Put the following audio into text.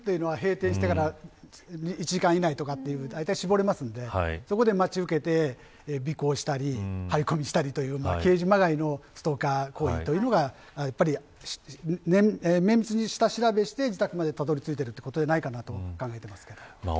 退店は、閉店してから１時間以内とか、絞れますのでそこで尾行したり張り込みしたりという刑事まがいのストーカー行為というのが綿密に下調べして自宅までたどり着いているということだと思います。